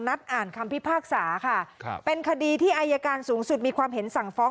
นัดอ่านคำพิพากษาค่ะครับเป็นคดีที่อายการสูงสุดมีความเห็นสั่งฟ้อง